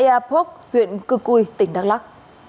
tại saeapok huyện cư cui tỉnh đắk lắc